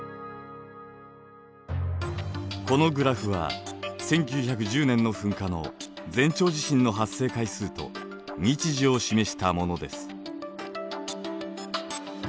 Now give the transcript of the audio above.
このグラフは１９１０年の噴火の前兆地震の発生回数と日時を示したものです。